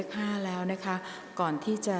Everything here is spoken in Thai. ออกรางวัลเลขหน้า๓ตัวครั้งที่๑ค่ะ